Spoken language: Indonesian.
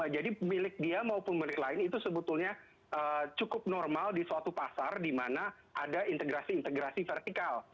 jadi milik dia maupun milik lain itu sebetulnya cukup normal di suatu pasar di mana ada integrasi integrasi vertikal